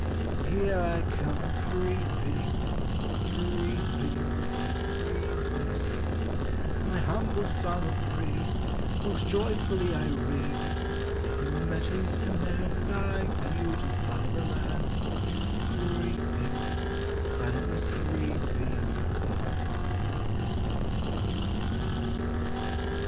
Here I come creeping, creeping everywhere ; My humble song of praise Most joyfully I raise To Him at whose command I beautify the land, Creeping, silently creeping everywhere.